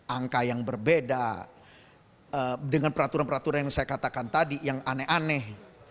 angka yang berbeda dengan peraturan peraturan yang saya katakan tadi yang aneh aneh